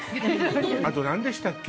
あと何でしたっけ？